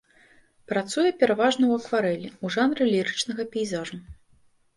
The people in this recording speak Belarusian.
Працуе пераважна ў акварэлі, у жанры лірычнага пейзажу.